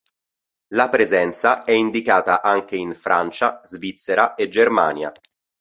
La presenza è indicata anche in Francia, Svizzera e Germania.